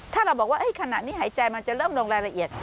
ถ้าเราบอกว่าขณะนี้หายใจมันจะเริ่มลงรายละเอียด